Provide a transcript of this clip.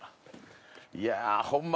い筺ホンマ